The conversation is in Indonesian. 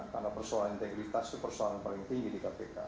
karena persoalan integritas itu persoalan paling tinggi di kpk